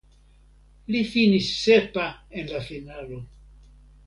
Li finis sepa en la finalo.